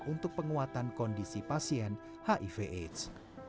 untuk penguatan kondisi pasien hiv aids